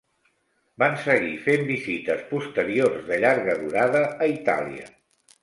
Van seguir fent visites posteriors de llarga durada a Itàlia.